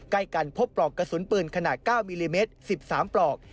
ใกล้กันพบปลอกกระสุนปืนขนาด๙มิลลิเมตร๑๓ปลอก